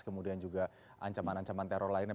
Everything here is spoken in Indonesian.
kemudian juga ancaman ancaman teror lainnya